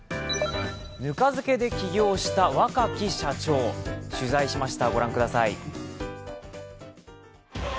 ぬか漬けで起業した若き社長、取材しました。